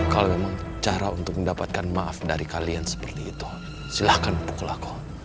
kalau memang cara untuk mendapatkan maaf dari kalian seperti itu silahkan pukul aku